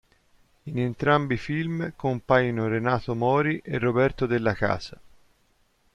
In entrambi i film compaiono Renato Mori e Roberto Della Casa.